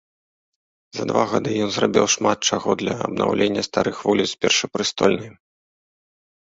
За два гады ён зрабіў шмат чаго для абнаўлення старых вуліц першапрастольнай.